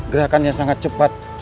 gerakannya sangat cepat